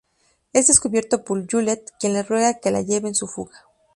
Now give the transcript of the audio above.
Es descubierto por Juliette quien le ruega que la lleve en su fuga.